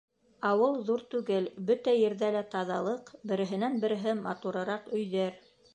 Ауыл ҙур түгел, бөтә ерҙә лә таҙалыҡ, береһенән-береһе матурыраҡ өйҙәр.